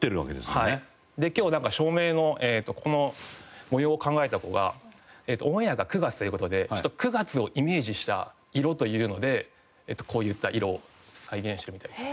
今日照明のこの模様を考えた子がオンエアが９月という事でちょっと９月をイメージした色というのでこういった色を再現したみたいですね。